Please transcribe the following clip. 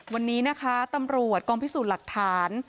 วันนี้นะคะตำรวจกองพิสูจน์หลักฐาน